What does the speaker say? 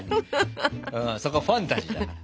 そこはファンタジーだから。